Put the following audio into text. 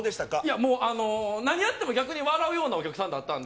もうあの、何やっても、逆に笑うようなお客さんだったんで。